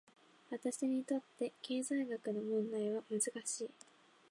私にとって、経済学の問題は難しい。